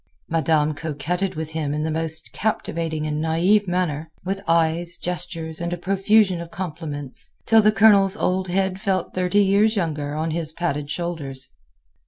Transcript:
Madame coquetted with him in the most captivating and naive manner, with eyes, gestures, and a profusion of compliments, till the Colonel's old head felt thirty years younger on his padded shoulders.